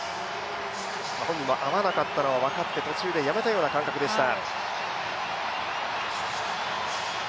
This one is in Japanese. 本人は合わなかったのは分かって、途中でやめたような感覚でした。